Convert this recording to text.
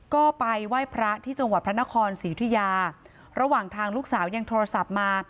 ก็ไปไหว้พระที่จังหวัดพระนครศรีอุทิยาระหว่างทางลูกสาวยังโทรศัพท์มา